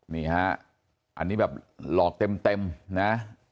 นี่ฮะอันนี้แบบหลอกเต็มนะ